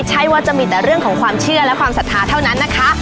ใช่ว่าจะมีแต่เรื่องของความเชื่อและความศรัทธาเท่านั้นนะคะ